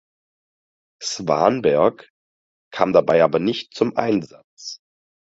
Svanberg kam dabei aber nicht zum Einsatz.